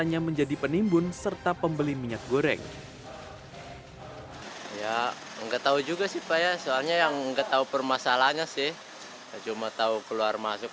ya enggak tahu juga sih pak ya soalnya yang enggak tahu permasalahannya sih cuma tahu keluar masuk